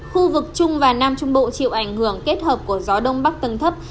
khu vực trung và nam trung bộ chịu ảnh hưởng kết hợp của gió đông bắc tầng thấp